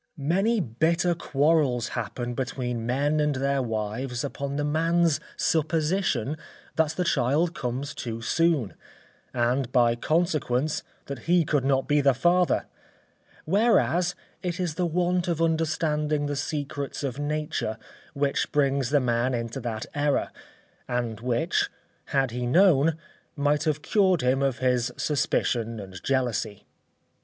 _ Many bitter quarrels happen between men and their wives upon the man's supposition that the child comes too soon, and by consequence, that he could not be the father; whereas, it is the want of understanding the secrets of nature which brings the man into that error; and which, had he known, might have cured him of his suspicion and jealousy.